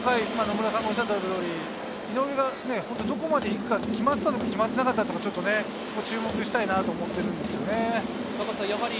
ただこの回、野村さんがおっしゃった通り、井上がどこまで行くか、決まってたのか決まってなかったのかを注目したいなと思ってるんですよね。